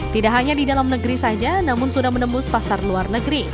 tidak hanya di dalam negeri saja namun sudah menembus pasar luar negeri